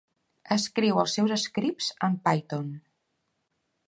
Escriu els seus scripts en Python.